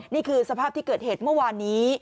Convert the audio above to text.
นี่คือสภาพที่เกิดเหตุเมื่อวานนี้